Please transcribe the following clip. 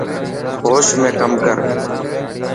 هوش ۾ ڪم ڪر.